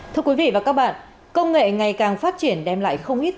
thưa quý vị và các bạn công nghệ ngày càng phát triển đem lại không ít tiện ích